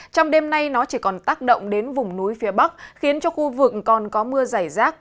trong đêm nay nó chỉ còn tác động đến vùng núi phía bắc khiến cho khu vực còn có mưa dày rác